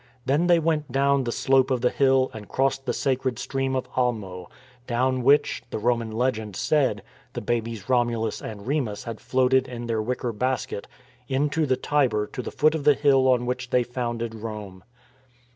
Then they went down the slope of the hill and crossed the sacred stream of Almo, down which — the Roman legend said — the babies Romulus and Remus had floated in their wicker basket into the Tiber to the foot of the hill on which they founded Rome.